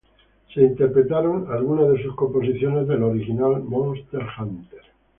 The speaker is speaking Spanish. Algunas de sus composiciones del original Monster Hunter fueron interpretadas.